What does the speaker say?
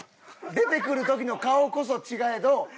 出てくる時の顔こそ違えど。